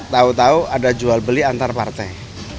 tahu tahu ada jual beli antar partai